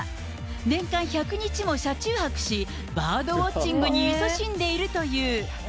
年間１００日も車中泊し、バードウォッチングにいそしんでいるという。